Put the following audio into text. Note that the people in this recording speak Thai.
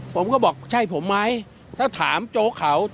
ผมก็บอกใช่ผมไหมถ้าถามโจ๊กเขา